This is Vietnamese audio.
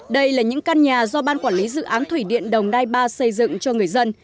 đây là những căn nhà do ban quản lý dự án thủy điện đồng nai ba xây dựng cho người dân